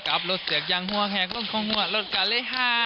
ข้างล่างก็สามารถสามารถกลับมาอยู่ครับ